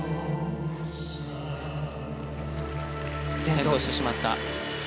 転倒してしまった。